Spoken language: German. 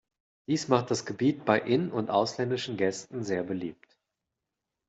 Dies macht das Gebiet bei in- und ausländischen Gästen sehr beliebt.